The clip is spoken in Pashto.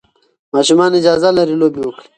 ماشومان اجازه لري لوبې وکړي.